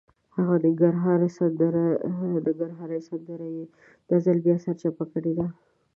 هغه ننګرهارۍ سندره یې دا ځل بیا سرچپه کړې ده.